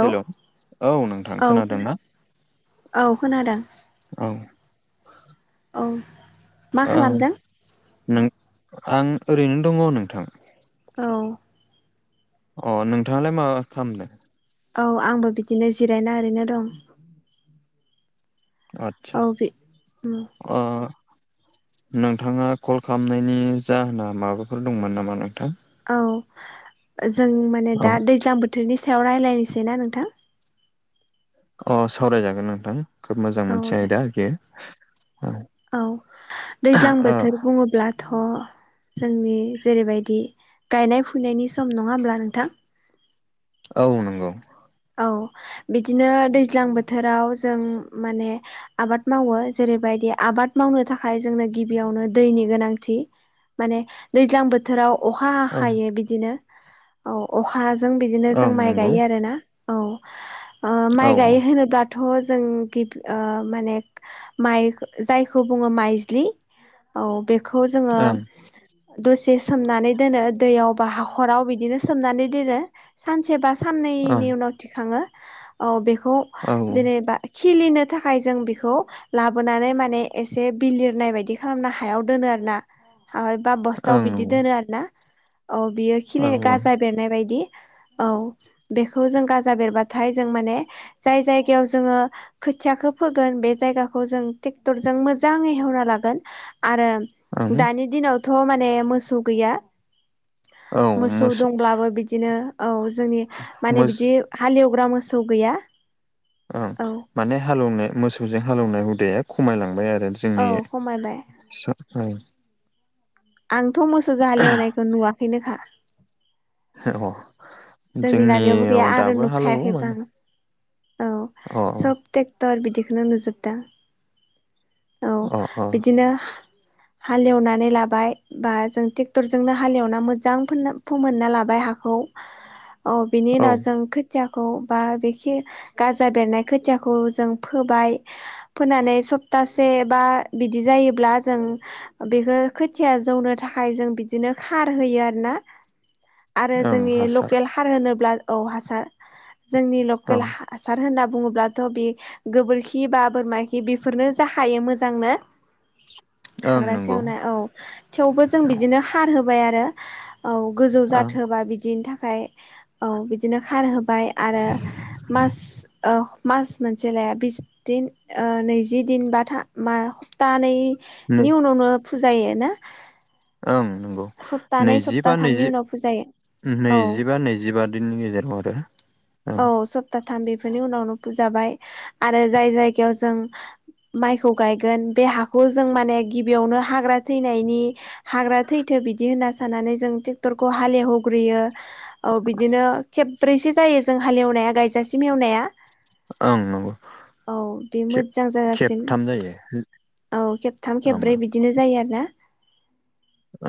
Hello औ नोंथां औ खोनादोंना? औ खोनादों। औ औ मा औ खालामदों नों आं ओरैनो दङ' नोंथां औ अ नोंथाङालाय मा खामदों? औ आंबो बिदिनो जिरायना ओरैनो दं। आतसा औ बि उम अ नोंथाङा कल खालामनायनि जाहोना माबाफोर दंमोन नामा नोंथां? औ जों माने औ दा दैज्लां बोथोरनि सायाव रायलायनोसैना नोंथां अ सावरायजागोन नोंथां खोब मोजां औ मोनसे दे आयदा आरोखि औ दैज्लां बोथोर बुङोब्ला थ' जोंनि जेरैबायदि गायनाय फुनायनि सम नङा होमब्ला नोंथां औ नंगौ औ बिदिनो दैज्लां बोथोराव जों माने आबाद मावो जेरैबायदि आबाद मावनो थाखाय जोंनो गिबियावनो दैनि गोनांथि माने दैज्लां बोथोराव अखा हा औ हायो बिदिनो औ अखाजों बिदिनो जों ओं माइ नंगौ गायो आरो ना औ ओ औ माइ गाय होनोब्ला दाथ' जों गिबि माने माइ जायखौ बुङो माइज्लि औ बेखौ जोङो दसे सोमनानै दोनो दैयाव बा हाखराव बिदिनो सोमनानै दोनो सानसे बा ओं साननैनि उनाव थिखाङो औ बेखौ औ ओं जेनेबा खिलिनो थाखाय जों बेखौ लाबोनानै माने एसे बिलिरनाय बायदि खालामनो हायाव दोनो आरो ना बा बस्थाव बिदि नंगौ दोनो आरो ना औ बियो औ खिलि गाजा बेरनाय बायदि औ बेखौ जों गा बेरबाथाय जों माने जाय जायगायाव जोङो खोथियाखौ फोगोन बे जायगाखौ जों ट्रेक्टरजों मोजाङै हेवना लागोन आरो ओं दानि दिनावथ' माने मोसौ गैया मोसौ दंब्लाबो बिदिनो औ जोंनि माने मोस बिदि हालेवग्रा मोसौ गैया ओं औ माने हालेवनाय मोसौजों हालौनाय हुदाया खमायलांबाय आरो औ जोंनि खमायबाय [unintelligible] आंथ' मोसौ जाहालेवनायखौ नुवाखैनोखा [unintelligible] जोंनि गामियावबो गैया जोंनियाव आरो दाबो हालेवो नुखायाखैबो माने आं औ अ सब ट्रेक्टर बिदिखौनो नुजोबदों औ अ बिदिनो हालेवनानै लाबाय बा जों ट्रेक्टरजोंनो हालेवना मोजां फो फोमोनना लाबाय हाखौ औ बिनि औ उनाव खो थियाखौ बा बेखि गाजा बेरनाय खोथियाखौ जों फोबाय फोनानै सप्तासे बा बिदि जायोब्ला जों बेखौ खोथिया जौनो थाखाय जों बिदिनो खार होयो आरो ना आरो ओं जोंनि हासार लकेल हार होनोब्ला औ हासार जोंनि औ लकेल हा हासार होनना बुङोब्लाथ' बे गोबोरखि बा बोरमा खि बेफोरनो जाखायो मोजांनो [inaudible] हाग्रा नंगौ सेवनाय औ थेवबो जों औ बिदिनो खार होबाय आरो औ गोजौ ओं जाथोबा बिदिनि था खाय औ बिदिनो खार होबाय आरो मास ओ मास मोनसे लाया बिदिन नैजि दिन बा था मा नै थानैनि उनावनो फुजायो ना ओं नंगौ सप्तानै नैजिबा सप्ताथामनि नैजि उनाव फुजायो औ नैजिबा नैजिबा दिननि गेजेराव आरो ओं औ सप्ताथाम बेफोरनि उनावनो फुजाबाय आरो जाय जायगायाव जों माइखौ गायगोन बे हाखौ जों माने गिबियावनो हाग्रा थैनायनि हाग्रा थैथो बिदि होनना साननानै जों ट्रेक्टरखौ हालेवहग्रोयो औ बिदिनो खेब ब्रैसो जायो जों हालेवनाया गायजासिम एवनाया ओं नंगौ औ बे खे मोजां जाजासिम खेबथाम जायो औ खेबथाम ओं खेबब्रै बिदिनो जायो आरो ना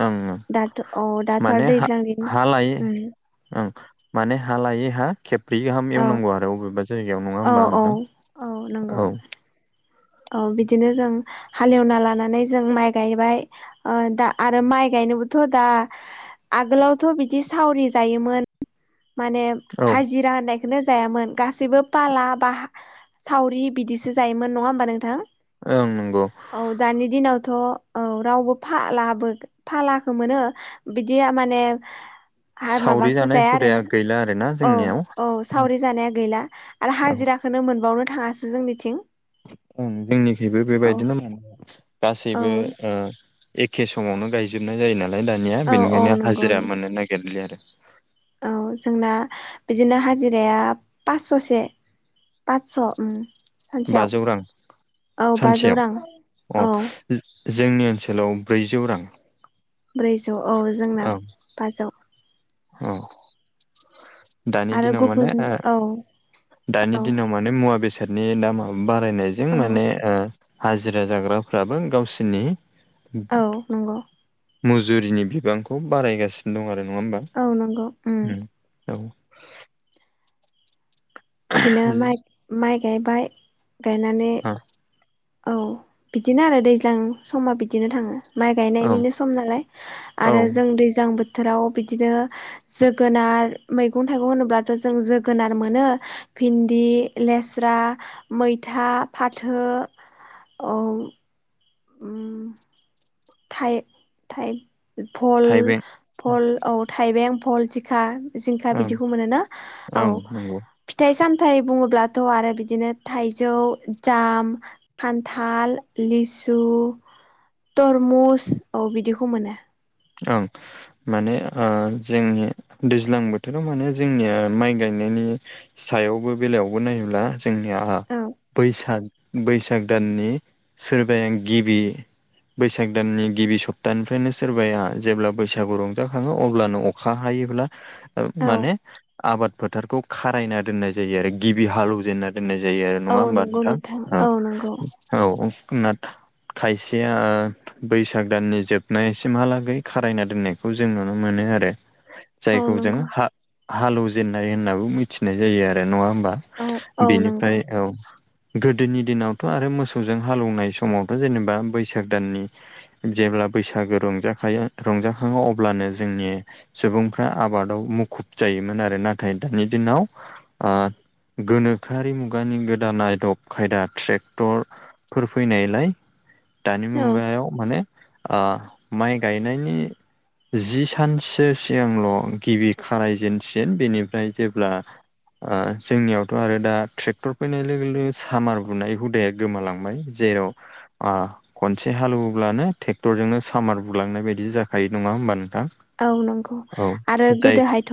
ओं ओं दाथ' अ दाथ माने हा दैलां हा लायै उम ओं माने हा लायै हा खेब्रै गाहाम औ एवनांगौ आरो अबेबा जायगायाव नङा औ होमबा औ नोंथां औ नंगौ औ औ बिदिनो जों हालेवना लानानै जों माइ गायबाय ओ दा आरो माइ गायनोबोथ' दा आगोलावथ' बिदि सावरि जायोमोन माने औ हाजिरा होननायखौनो जायामोन गासैबो पाला बा सावरि बिदिसो जायोमोन नङा होमबा नोंथां ओं नंगौ औ दानि दिनावथ' औ रावबो फालाबो फालाखौ मोनो बिदिया माने हा सावरि माबाखो जानाय जाया हुदाया आरोना गैला आरोना औ जोंनियाव औ सावरि जानाया गैला औ हाजिराखौ मोनबावनो थाङासो जोंनिथिं ओ जोंनिखिबो औ बेबायदिनो मोना औ गासैबो ओ एखे समावनो गायजोबनाय जायो नालाय दानिया औ औ बेनिखायनो नंगौ हाजिरा नोंथां मोननो नागिरलि आरो औ जोंना बिदिनो हाजिराया पास्स'से पासस' उम सानसेयाव बाजौ रां औ बाजौ सानसेयाव रां अ औ जोंनि ओनसोलाव ब्रैजौ रां ब्रैजौ औ जोंना औ बासौ औ दानि आरो दिनाव माने गुबुन ओ औ दानि औ दिनाव माने मुवा बेसादनि दामाब बारायनायजों औ माने ओ हाजिरा जाग्राफ्राबो गावसिनि औ नंगौ मुजुरिनि बिबांखौ बारायगासिनो दं आरो नङा होमबा औ नंगौ उम औ बिदिनो माइ माइ गायबाय गायनानै औ औ बिदिनो आरो दैज्लां समा बिदिनो थाङो माइ औ गायनायनिनो सम नालाय आरो औ जों दैज्लां बोथोराव बिदिनो जोगोनार मैगं थाइगं होनोब्लाथ' जों जोगोनार मोनो भिन्दि लेस्रा मैथा फाथो औ उम थाइ थाइ फल थाइबें फल औ थाइबें फल दिखा जिंखा ओं बिदिखौ मोनोना औ ओं नंगौ फिथाइ सामथाइ बुङोब्लाथ' आरो बिदिनो थाइजौ जाम खान्थाल लिसु तरमुस औ बिदिखौ मोनो ओं माने जोंनि दैज्लां बोथोराव माने जोंनिया माइ गायनायनि सायावबो बेलायावबो नायोब्ला जोंनि आंहा औ बैसाग बैसाग दाननि सोरबाया गिबि बैसाग दाननि गिबि सप्तानिफ्रायनो सोरबाया जेब्ला बैसागु रंजाखङो अब्लानो अखा हायोब्ला औ माने आबाद फोथारखौ खारायना दोननाय जायो आरो गिबि हालौवजेननानै दोननाय जायो आरो औ नङा होमबा नंगौ नोंथां? औ नंगौ ओं औ नाथ खायसेया बैसाग दाननि जोबनाया एसेमहालागै खारायना दोननायखौ जों नुनो मोनो आरो औ जायखौ जों नंगौ हा हालौवजेननाय होननाबो मिथिनाय जायो आरो नङा होमबा औ औ नंगौ बेनिफ्राय औ गोदोनि दिनावथ' आरो मोसौजों हालौवनाय समावथ' जेनेबा बैसाग दाननि जेब्ला बैसागो रंजाखायो रंजाखङो अब्लानो जोंनि सुबुंफ्रा आबादाव मुखुब जायोमोन आरो नाथाय दानि दिनाव ओ गोनोखोआरि मुगानि गोदान आदब खायदा ट्रेक्टर फोर फैनायलाय दानि औ मुगायाव माने ओ माइ गाय नायनि जि सानसो सिगांल' गिबि खारायजेनसिन बेनिफ्राय जेब्ला ओ जोंनियावथ' आरो दा ट्रेक्टर फैनाय लोगो लोगो सामार बुनाय हुदाया गोमालांबाय जेराव ओ खनसे हाल एवब्लानो ट्रेक्टर जोंनो सामार बुलांनाय बाय दि जाखायो नङा होमबा नोंथां? औ नंगौ औ आरो जाय गोदोहायथ'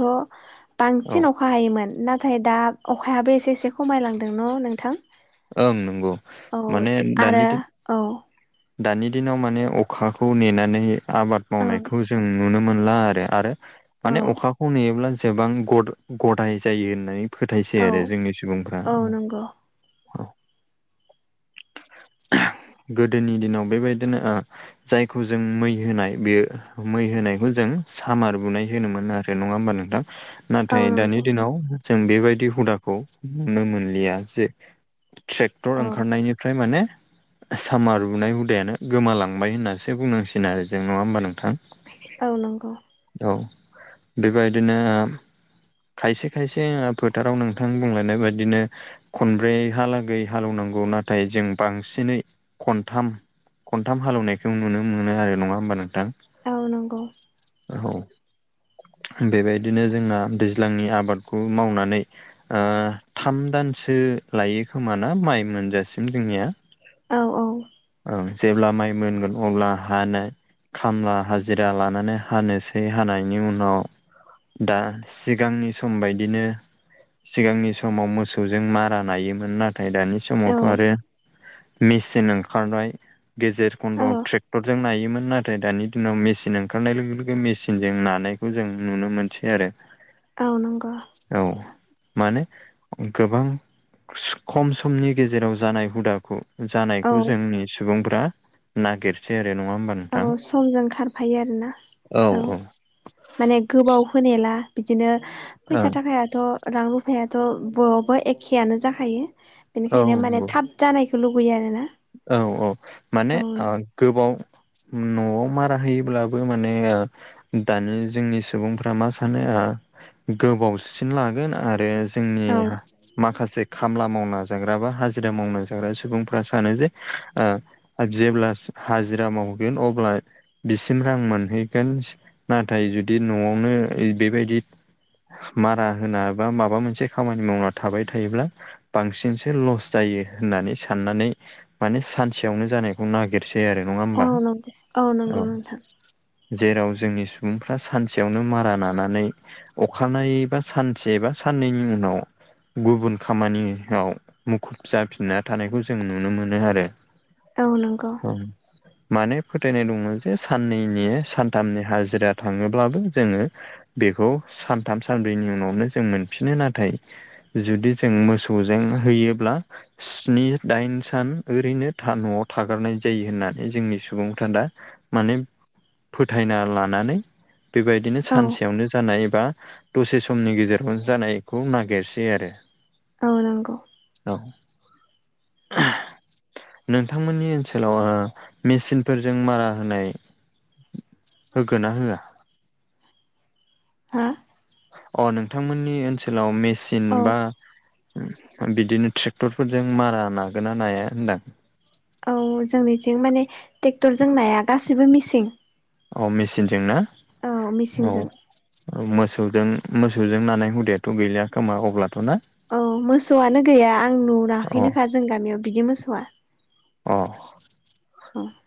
औ बांसिन अखा हायोमोन नाथाय दा अखायाबो एसे एसे खमायलांदों न' नोंथां? ओं नंगौ औ माने आरो दानि दि औ दानि दिनाव माने अखाखौ नेनानै आबाद ओं मावनायखौ जों नुनो मोनला आरो आरो औ माने अखाखौ नेयोब्ला जेबां गदाय जायो होननानै फोथायसै औ आरो जोंनि सुबुंफ्रा औ औ [inaudible] गोदोनि दिनाव बेबायदिनो ओ जायखौ जों मै होनाय बेयो मै होनायखौ जों सामार बुनाय होनोमोन आरो ओ नङा ओमबा नोंथां औ नाथाय दानि नंगौ दिनाव जों बेबायदि हुदाखौ नुनो मोनलिया जे ट्रेक्टर औ ओंखारनायनिफ्राय माने सामार हुनाय हुदायानो गोमालांबाय होननासो बुंनांसिगोन आरो जों नङा ओमबा नोंथां? औ नंगौ औ बेबायदिनो खायसे खायसे फोथाराव नोंथां बुंलायनाय बायदिनो खनब्रैहालागै हाल एवनांगौ नाथाय जों बांसिनै खनथाम खनथाम हाल एवनायखौ नुनो मोनो आरो नङा ओमबा नोंथां औ नंगौ। औ बेबायदिनो जोंना दैज्लांनि आबादखौ मावनानै ओ थाम दानसो लायो खोमाना माइ मोनजासिम जोंनिया औ औ ओं जेब्ला माइ मोनगोन अब्ला हानो खामला हाजिरा लानानै हानोसै हानायनि उनाव दा सिगांनि सम बायदिनो सिगांनि समाव मोसौजों मारा नायोमोन नाथाय दानि समाव औ थ' आरो मेचिन ओंखारनाय गेजेर औ खन्दआव ट्रेक टरजों नायोमोन नाथाय दानि दिनाव मेचिन ओंखारनाय लोगो लोगो मेसिनजों नानायखौ जों नुनो मोनसै आरो औ नंग' औ माने गोबां खम समनि गेजेराव जानाय हुदाखौ औ जानायखौ जोंनि सुबुंफ्रा नागिरसै आरो नङा ओमबा नों औ समजों खारफायो आरोना औ माने गोबाव होनेला बिदिनो फैसा थाखायाथ' रां रुफायाथ' बरावबो एखेयानो जाखायो औ बेनिखायनो माने नंगौ थाब जानायखौ लुुबैयो आरोना औ औ माने ओ गोबाव न'आव मारा होयोब्लाबो माने ओ दानि जोंनि सुबुंफ्रा मा सानो ओ गोबावसिन लागोन आरो जोंनि औ माखासे खामला मावना जाग्रा बा हाजिरा मावना जाग्रा सुबुंफ्रा सानो जे जेब्ला हाजिरा मावगोन अब्ला बिसिम रां मोनहैगोन नाथाय जुदि न'आवनो बेबायदि मारा होना बा माबा मोनसे खामानि मावना थाबाय थायोब्ला बांसिनसो लस जायो होननानै साननानै माने सानसेयावनो जानायखौ नागिरसै आरो। नङा औ होमबा नंगौ औ नंगौ नोंथां। जेराव जोंनि सुबुंफ्रा सानसेयावनो मारा नानानै अखानाय बा सानसे बा साननैनि उनाव गुबुन खामानियाव मुखुब जाफिनना थानायखौ जों नुनो मोनो आरो। औ नंगौ औ माने फोथायनाय दङ जे साननैनि सानथामनि हाजिरा थाङोब्लाबो जोङो बेखौ सानथाम सानब्रैनि उनावनो जों मोनफिनो नाथाय जुदि जों मोसौजों होयोब्ला स्नि दाइन सान ओरैनो न'आव थागारनाय जायो होननानै जोंनि सुबुंफ्रा दा माने फोथायना लानानै बेबायदिनो औ सानसेयावनो जानाय एबा दसे समनि गेजेरावनो जानायखौ नागिरसै आरो। औ नंगौ। औ नोंथांमोननि ओनसोलाव मेचिनफोरजों मारा होनाय होगोन ना होया? हा अ नोंथांमोननि ओनसोलाव मेसिन औ बा बिदिनो ट्रेक्टरफोरजों मारा नागोना नाया होनदां औ जोंनिथिं माने ट्रेक्टर जों नाया गाससिबो मिसिं औ मेचिनजों ना औ औ मिसिंजों मोसौजों मोसौजों नानाय हुदायाथ' गैलिया खोमा अब्लाथ' ना औ मोसौआनो गैया आं अ नुराखैनोखा जों गामियाव बिदि मोसौआ अ अ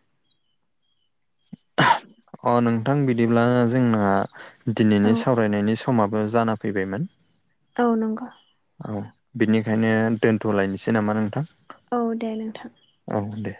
अ नोंथां बिदिब्ला जोंना औ दिनैनि सावरायनायनि समाबो जाना फैबायमोन। औ नंगौ। औ बिनिखायनो दोनथ'लायनोसै नामा नोंथां। औ दे नोंथां। औ दे।